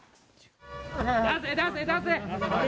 出せ、出せ、出せ。